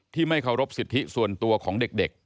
ไม่เคารพสิทธิส่วนตัวของเด็ก